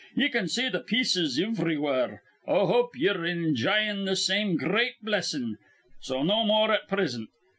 Ye can see th' pieces ivrywhere. I hope ye're injyin' th' same gr reat blessin'. So no more at prisint.